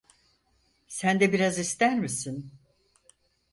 Sen de biraz ister misin?